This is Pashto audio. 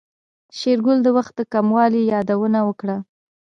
شېرګل د وخت د کموالي يادونه وکړه.